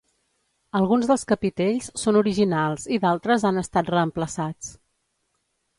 Alguns dels capitells són originals i d'altres han estat reemplaçats.